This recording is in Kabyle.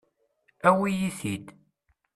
Awi-iyi-t-id.